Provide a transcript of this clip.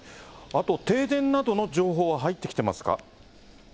停電などの情報は入ってきてますか。